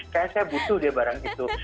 kayaknya saya butuh dia barang itu